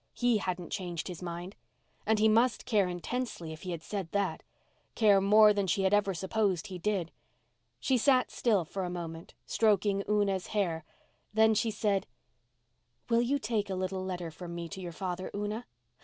He hadn't changed his mind. And he must care intensely if he had said that—care more than she had ever supposed he did. She sat still for a moment, stroking Una's hair. Then she said, "Will you take a little letter from me to your father, Una?"